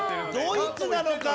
ドイツなのか！